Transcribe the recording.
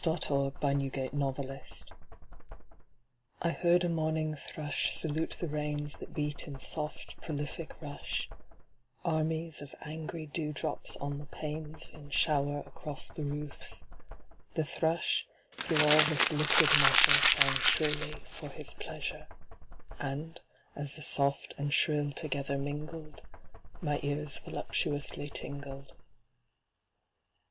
Michael Field Morning Rains I HEARD a morning thrush salute the rains That beat in soft, prolific rush, Armies of angry dewdrops on the panes, In shower across the roofs: the thrush, Through all this liquid measure, Sang shrilly for his pleasure, And, as the soft and shrill together mingled, My ears voluptuously tingled.